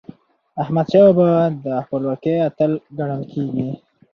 احمدشاه بابا د خپلواکی اتل ګڼل کېږي.